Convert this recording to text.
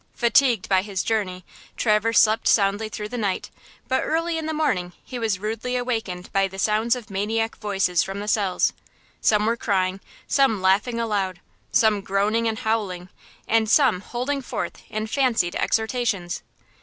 Fatigued by his journey, Traverse slept soundly through the night; but early in the morning he was rudely awakened by the sounds of maniac voices from the cells. Some were crying, some laughing aloud some groaning and howling and some holding forth in fancied exhortations.